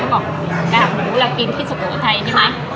กราบหมูเรากินที่สุโกไทยใช่ไหม